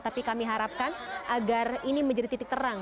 tapi kami harapkan agar ini menjadi titik terang